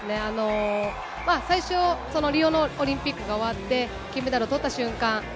最初、リオのオリンピックが終わって金メダルを取った瞬間